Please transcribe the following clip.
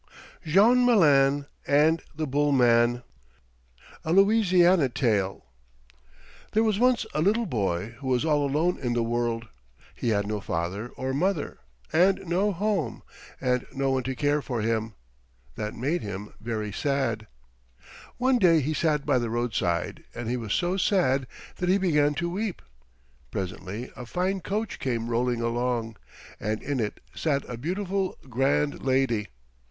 JEAN MALIN AND THE BULL MAN A LOUISIANA TALE There was once a little boy who was all alone in the world; he had no father or mother, and no home; and no one to care for him. That made him very sad. One day he sat by the roadside, and he was so sad that he began to weep. Presently a fine coach came rolling along, and in it sat a beautiful, grand lady.